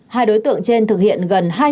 hai đối tượng trên thực hiện gần